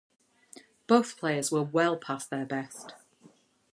Both players were well past their best.